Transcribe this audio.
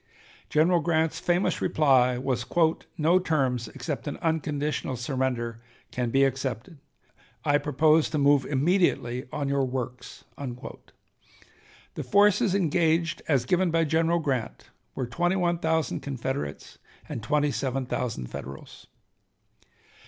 General Grant's famous reply was: "No terms except an unconditional surrender can be accepted. I propose to move immediately on your works." The forces engaged as given by General Grant were twenty one thousand Confederates and twenty seven thousand Federals.